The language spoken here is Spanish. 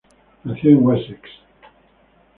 Nació en Wessex.